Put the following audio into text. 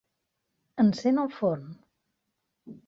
Encén el forn.